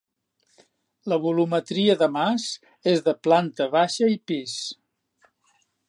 La volumetria de mas és de planta baixa i pis.